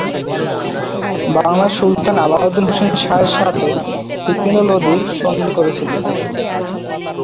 বাংলার সুলতান আলাউদ্দিন হোসেন শাহের সাথে সিকান্দার লোদি সন্ধি করেছিলেন।